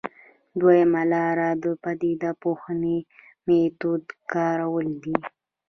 دویمه لاره د پدیده پوهنې میتود کارول دي.